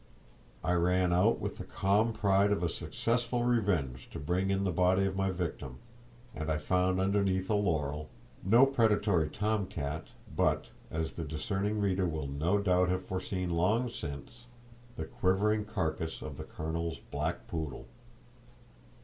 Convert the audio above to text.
I ran out with the calm pride of a successful revenge to bring in the body of my victim, and I found underneath a laurel no predatory tom cat, but (as the discerning reader will no doubt have foreseen long since) the quivering carcass of the colonel's black poodle!